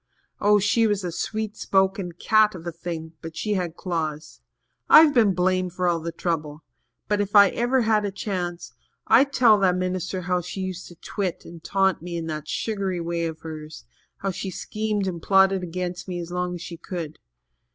Oh, she was a sweet spoken cat of a thing but she had claws. I've been blamed for all the trouble. But if ever I had a chance, I'd tell that minister how she used to twit and taunt me in that sugary way of hers how she schemed and plotted against me as long as she could.